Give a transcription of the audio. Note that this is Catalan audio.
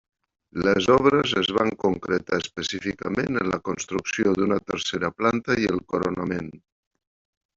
Les obres es van concretar específicament en la construcció d'una tercera planta i el coronament.